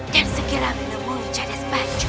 dan segera menemui jadis baju